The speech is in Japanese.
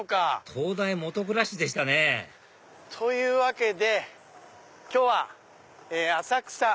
灯台下暗しでしたねというわけで今日は浅草！